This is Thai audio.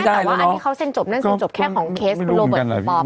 อันนี้เขาเส้นจบนั่นเส้นจบแค่ของเคสคุณโรเบิร์ตคุณปอร์เปล่า